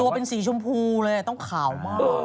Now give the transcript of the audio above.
เป็นสีชมพูเลยต้องขาวมาก